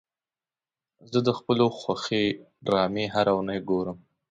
زه د خپلو خوښې ډرامې هره اونۍ ګورم.